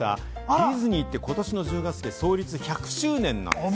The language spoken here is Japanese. ディズニーってことしの１０月で創立１００周年なんですって。